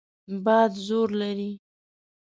باد زور لري.